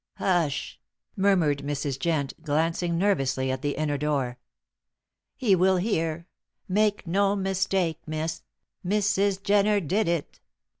"Hush!" murmured Mrs. Jent, glancing nervously at the inner door. "He will hear, Make no mistake, Miss, Mrs. Jenner did it."